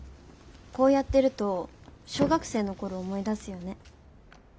こうやってると小学生の頃思い出すよね。